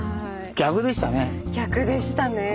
逆でしたね。